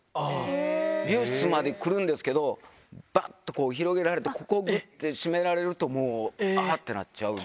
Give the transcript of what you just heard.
美容室まで来るんですけど、ばっと、こう広げられて、ここ、ぐって締められると、もうあーってなっちゃう。